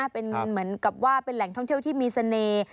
เป็นเหมือนกับว่าเป็นแหล่งท่องเที่ยวที่มีเสน่ห์